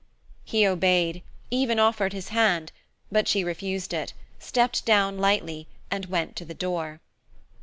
He obeyed, even offered his hand, but she refused it, stepped lightly down, and went to the door.